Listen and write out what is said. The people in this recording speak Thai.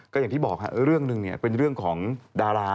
ก็อย่างที่บอกเรื่องหนึ่งเป็นเรื่องของดารา